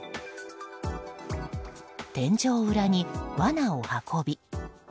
天井裏にわなを運び。